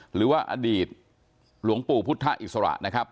หรือว่าอดีตหลวงปู่พุทธอิสระนะครับ